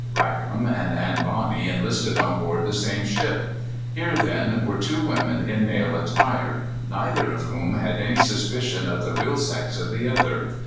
Rackam and Anne Bonny enlisted on board the same ship. Here then there were two women in male attire, neither of whom had any suspicion of the real sex of the other.